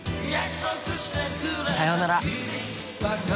さようなら。